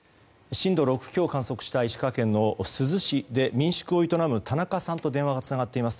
震度６強を観測した石川県珠洲市で民宿を営む田中さんと電話がつながっています。